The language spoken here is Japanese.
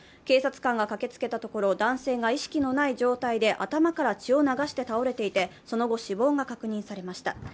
警察官が駆けつけたところ男性が意識のない状態で頭から血を流して倒れていて、その後死亡が確認されました。